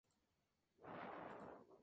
La olla podrida está por estallar.